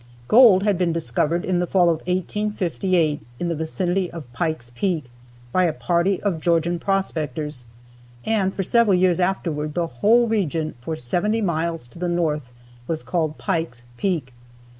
Gold had been discovered in the fall of 1858 in the vicinity of Pike's Peak, by a party of Georgian prospectors, and for several years afterward the whole gold region for seventy miles to the north was called "Pike's Peak."